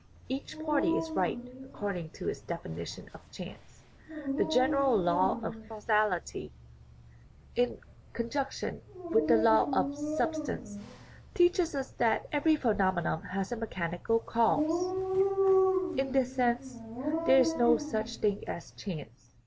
Each party is right according to its definition of chance. The general law of causality, taken in con junction with the law of substance, teaches us that every phenomenon has a mechanical cause; in this sense there is no such thing as chance.